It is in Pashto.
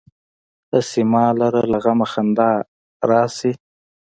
هسې ما لره له غمه خندا راشي.